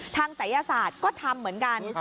ศัยศาสตร์ก็ทำเหมือนกัน